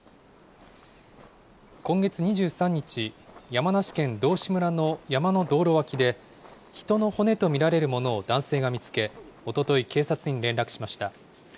今月２３日、山梨県道志村の山の道路脇で、人の骨と見られるものを男性が見つけ、おととい、警察に連絡しました。